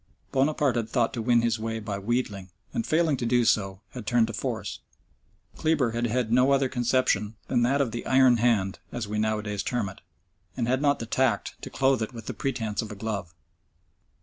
Bonaparte had thought to win his way by wheedling, and, failing to do so, had turned to force. Kleber had had no other conception than that of "the iron hand," as we nowadays term it, and had not the tact to clothe it with the pretence of a glove.